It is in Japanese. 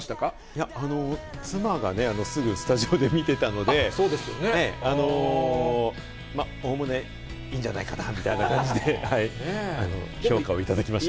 いや、妻がね、すぐスタジオで見てたので、おおむねいいんじゃないかなみたいな感じで評価をいただきました。